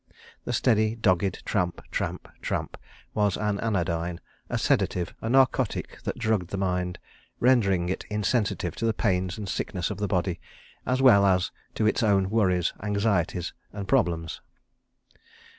The steady dogged tramp, tramp, tramp, was an anodyne, a sedative, a narcotic that drugged the mind, rendering it insensitive to the pains and sickness of the body as well as to its own worries, anxieties and problems.